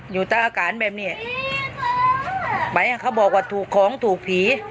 อยู่ใต้อาการแบบนี้ไหมเขาบอกว่าถูกของถูกผี